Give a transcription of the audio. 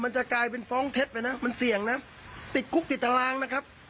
มันจะกลายเป็นฟ้องเท็จไปนะมันเสี่ยงนะติดคุกติดตารางนะครับ